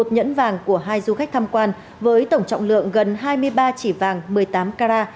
một nhẫn vàng của hai du khách tham quan với tổng trọng lượng gần hai mươi ba chỉ vàng một mươi tám carat